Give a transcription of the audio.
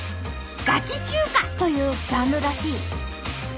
「ガチ中華」というジャンルらしい。